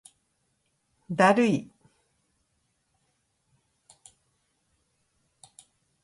だるい